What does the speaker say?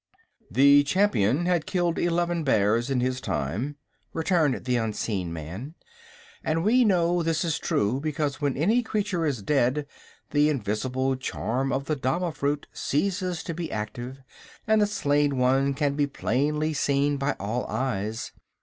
"The Champion had killed eleven bears in his time," returned the unseen man; "and we know this is true because when any creature is dead the invisible charm of the dama fruit ceases to be active, and the slain one can be plainly seen by all eyes.